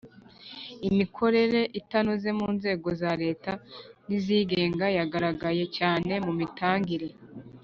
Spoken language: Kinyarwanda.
Imikorere itanoze mu nzego za Leta n izigenga yagaragaye cyane mu mitangire